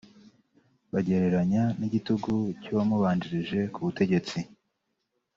bagereranya n’igitugu cy’uwamubanjirije ku butegetsi